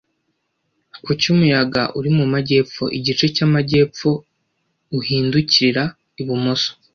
Kuki Umuyaga uri mu majyepfo, igice cy'amajyepfo uhindukirira ibumoso